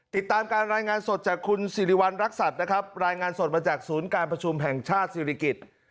ติดตามการรายงานสดจากคุณสิริวัลรักษัตริย์มาจากศูนย์การประชุมแห่งชาติศิริกิจ